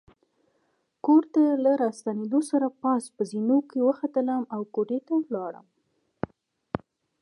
کور ته له راستنېدو سره پاس په زینو کې وختلم او کوټې ته ولاړم.